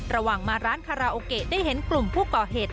ระหว่างมาร้านคาราโอเกะได้เห็นกลุ่มผู้ก่อเหตุ